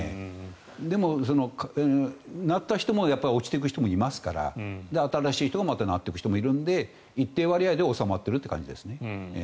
でも、なった人も落ちてく人もいますから新しい人がまたなっていくこともあるので一定割合で収まってるって感じですね。